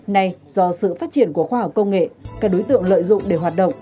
nay do sự phát triển của khoa học công nghệ các đối tượng lợi dụng để hoạt động